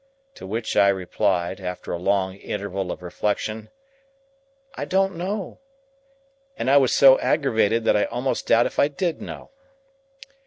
To which I replied, after a long interval of reflection, "I don't know." And I was so aggravated that I almost doubt if I did know.